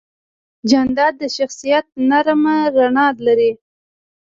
جانداد د شخصیت نرمه رڼا لري.